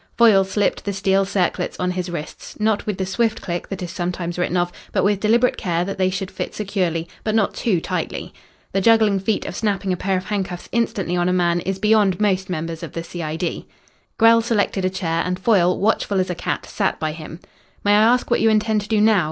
Foyle slipped the steel circlets on his wrists, not with the swift click that is sometimes written of, but with deliberate care that they should fit securely, but not too tightly. The juggling feat of snapping a pair of handcuffs instantly on a man is beyond most members of the C.I.D. Grell selected a chair and Foyle, watchful as a cat, sat by him. "May I ask what you intend to do now?"